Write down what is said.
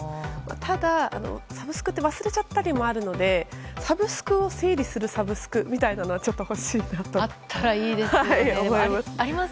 ただ、サブスクって忘れちゃったりもあるのでサブスクを整理するサブスクみたいなのはちょっと欲しいなと思います。